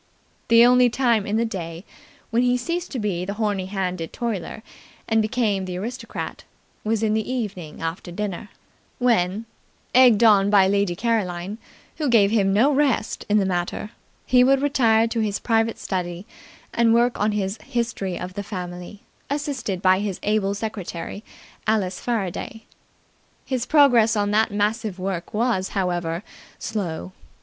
The only time in the day when he ceased to be the horny handed toiler and became the aristocrat was in the evening after dinner, when, egged on by Lady Caroline, who gave him no rest in the matter he would retire to his private study and work on his History of the Family, assisted by his able secretary, Alice Faraday. His progress on that massive work was, however, slow.